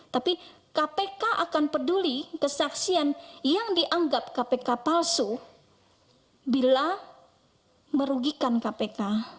tapi kpk akan peduli kesaksian yang dianggap kpk palsu bila merugikan kpk